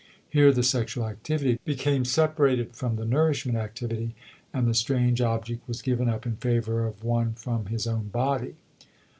Here the sexual activity became separated from the nourishment activity and the strange object was given up in favor of one from his own body.